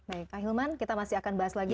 nah kak hilman kita masih akan bahas lagi